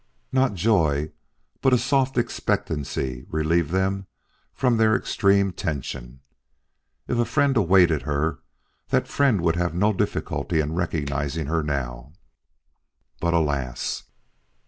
Not joy, but a soft expectancy relieved them from their extreme tension. If a friend awaited her, that friend would have no difficulty in recognizing her now. But alas!